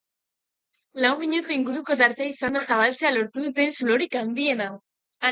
Lau minutu inguruko tartea izan da zabaltzea lortu duten zulorik handiena.